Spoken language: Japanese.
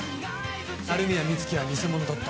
鳴宮美月は偽者だった。